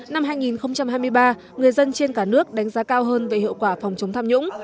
năm hai nghìn hai mươi ba người dân trên cả nước đánh giá cao hơn về hiệu quả phòng chống tham nhũng